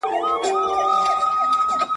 دریم لوری یې د ژوند نه دی لیدلی.